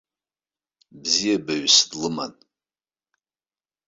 Бзиабаҩыс длыман.